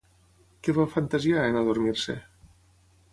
Què va fantasiar, en adormir-se?